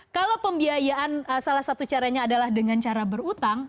kalau pembiayaan salah satu caranya adalah dengan cara berutang